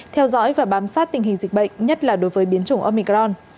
theo dõi và bám sát tình hình dịch bệnh nhất là đối với biến chủng omicron